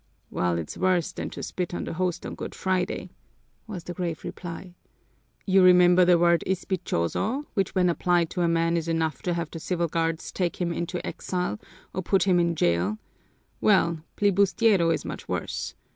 "Well, it's worse than to spit on the Host on Good Friday," was the grave reply. "You remember the word ispichoso which when applied to a man is enough to have the civil guards take him into exile or put him in jail well, plibustiero is much worse.